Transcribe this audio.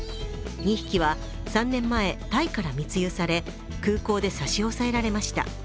２匹は３年前、タイから密輸され、空港で差し押さえられました。